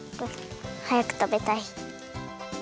はやくたべたい。